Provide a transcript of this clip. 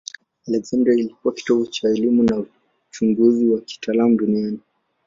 Aleksandria ilikuwa kitovu cha elimu na uchunguzi wa kitaalamu duniani.